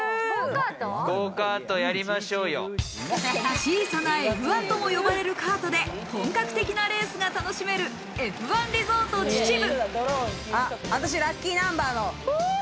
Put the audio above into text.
小さなＦ１とも呼ばれるカートで本格的なレースが楽しめる、Ｆ１リゾート秩父。